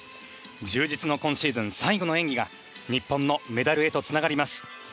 充実の今シーズン最後の演技が日本のメダルへとつながります。